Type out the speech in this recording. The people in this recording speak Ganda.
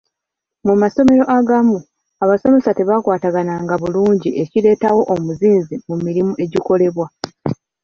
Mu masomero agamu, abasomesa tebakwatagana bulungi ekireetawo omuzinzi mu mirimu egikolebwa.